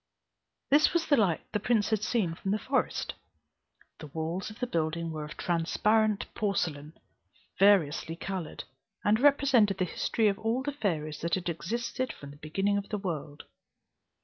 This was the light the prince had seen from the forest. The walls of the building were of transparent porcelain, variously coloured, and represented the history of all the fairies that had existed from the beginning of the world.